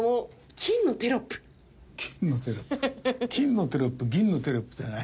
金のテロップ銀のテロップじゃない？